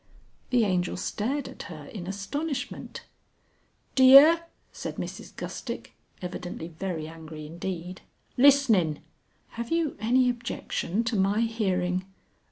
The Angel stared at her in astonishment. "D'year!" said Mrs Gustick, evidently very angry indeed. "Listenin'." "Have you any objection to my hearing...."